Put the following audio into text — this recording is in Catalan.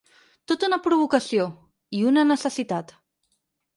Tota una provocació, i una necessitat.